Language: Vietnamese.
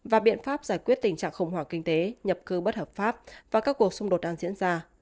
và biện pháp giải quyết tình trạng khủng hoảng kinh tế nhập cư bất hợp pháp và các cuộc xung đột đang diễn ra